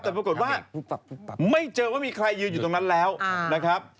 แต่ปรากฏว่าไม่เจอว่ามีใครยืนอยู่ตรงนั้นแล้วนะครับ